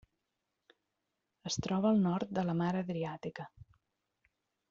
Es troba al nord de la Mar Adriàtica.